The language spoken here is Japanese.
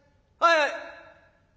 「はい。